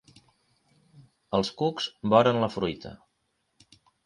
Els cucs boren la fruita.